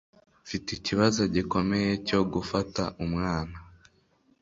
Mfite ikibazo gikomeye cyo gufata umwana